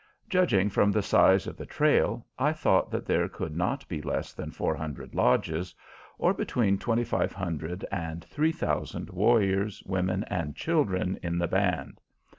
Judging from the size of the trail, I thought that there could not be less than four hundred lodges, or between twenty five hundred and three thousand warriors, women, and children in the band.